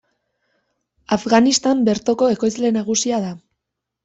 Afganistan bertoko ekoizle nagusia da.